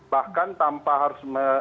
bahkan tanpa harus